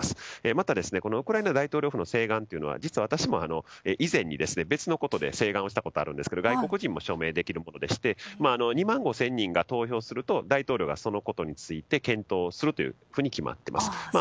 また、ウクライナ大統領府の請願というのは実は、私も以前に別のことで請願したことがあるんですが外国人も署名できるものでして２万５０００人が投票すると大統領がそのことについて検討するというふうに決まっています。